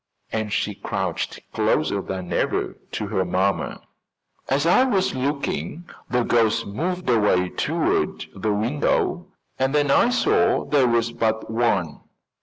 And she crouched closer than ever to her mamma. "As I was looking, the ghost moved away toward the window and then I saw there was but one.